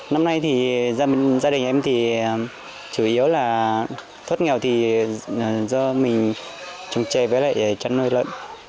năm nay thì gia đình em thì chủ yếu là thoát nghèo thì do mình trồng trề với lại chăn nuôi lợn